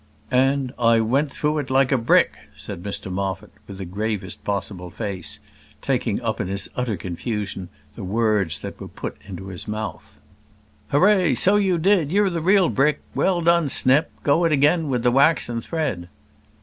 "And and I went through it like a brick," said Mr Moffat, with the gravest possible face, taking up in his utter confusion the words that were put into his mouth. "Hurray! so you did you're the real brick. Well done, Snip; go it again with the wax and thread!"